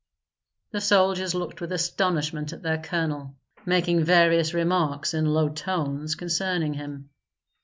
The soldiers looked with astonishment at their colonel, making various remarks, in low tones, concerning him.